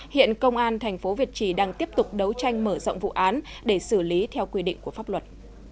hiện công an thành phố việt trì đang tiếp tục đấu tranh mở rộng vụ án để xử lý theo quy định của pháp luật